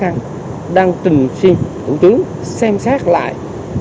chúng ta đang tình xuyên tổng chứng xem xét lại